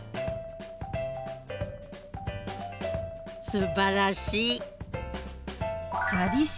すばらしい。